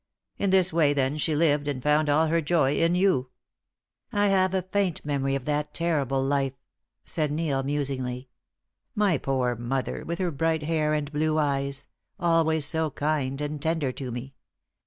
In this way, then, she lived, and found all her joy in you!" "I have a faint memory of that terrible life," said Neil, musingly. "My poor mother, with her bright hair and blue eyes, always so kind and tender to me.